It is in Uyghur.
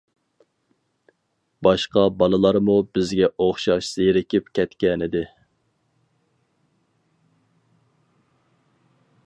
باشقا بالىلارمۇ بىزگە ئوخشاش زېرىكىپ كەتكەنىدى.